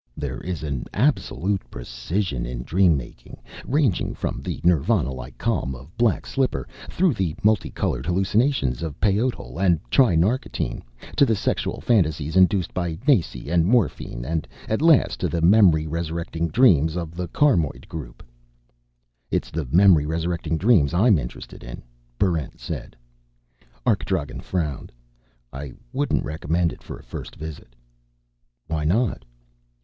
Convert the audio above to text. There is an absolute precision in dream making, ranging from the Nirvana like calm of Black Slipper through the multicolored hallucinations of peyotl and tri narcotine, to the sexual fantasies induced by nace and morphine, and at last to the memory resurrecting dreams of the carmoid group." "It's the memory resurrecting dreams I'm interested in," Barrent said. Arkdragen frowned. "I wouldn't recommend it for a first visit." "Why not?"